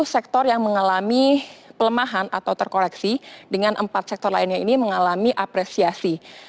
sektor yang mengalami pelemahan atau terkoreksi dengan empat sektor lainnya ini mengalami apresiasi